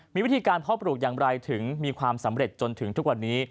มีวิธีการเพาะปลูกอย่างไรถึงมีความสำเร็จจนถึงทุกวันนี้